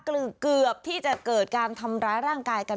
เกือบที่จะเกิดการทำร้ายร่างกายกัน